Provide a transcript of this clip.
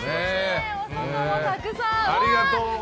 お外もたくさん！